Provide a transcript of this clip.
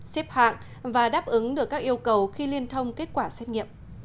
xếp hạng và đáp ứng được các yêu cầu khi liên thông kết quả xét nghiệm